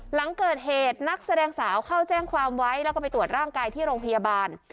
หลังเกิดเหตุนักแสดงสาวเข้าแจ้งความไว้แล้วก็ไปตรวจร่างกายที่โรงพยาบาล